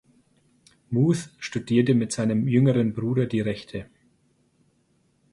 Muth studierte mit seinem jüngeren Bruder die Rechte.